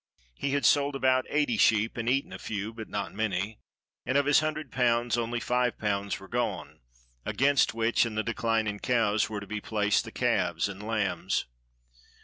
He had sold about eighty sheep, and eaten a few but not many, and of his hundred pounds only five pounds were gone; against which and the decline in cows were to be placed the calves and lambs.